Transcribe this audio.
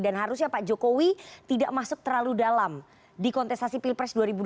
dan harusnya pak jokowi tidak masuk terlalu dalam di kontestasi pilpres dua ribu dua puluh empat